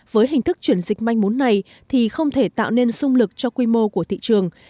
với hình thức chuyển dịch manh mốn này thì không thể tạo nên sung lực cho quy mô của thị trường